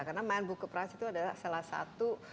karena man booker prize itu adalah salah satu